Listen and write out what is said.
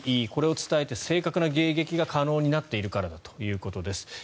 これを伝えて正確な迎撃が可能になっているからだということです。